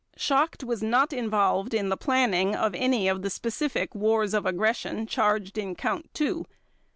Schacht was not involved in the planning of any of the specific wars of aggression charged in Count Two.